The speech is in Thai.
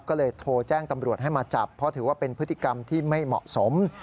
ก็เลยโทรแจ้งตำรวจให้มาจับเพราะถือว่าเป็นพฤติกรรมที่ไม่เหมาะสม